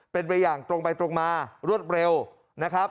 เป็นไปอย่างตรงไปตรงมารวดเร็วนะครับ